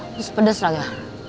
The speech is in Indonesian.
terus pedas lagi